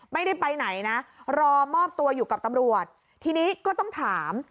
ไม่ได้ไปไหนนะรอมอบตัวอยู่กับตำรวจทีนี้ก็ต้องถาม